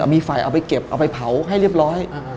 มีไฟเอาไปเก็บเอาไปเผาให้เรียบร้อย